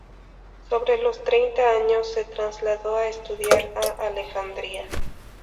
Sobre los treinta años, se trasladó a estudiar a Alejandría.